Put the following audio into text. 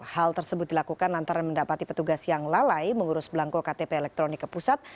hal tersebut dilakukan lantaran mendapati petugas yang lalai mengurus belangko ktp elektronik ke pusat